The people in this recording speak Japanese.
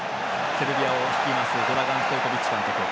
セルビアを率いますドラガン・ストイコビッチ監督。